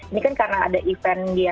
ini kan karena ada event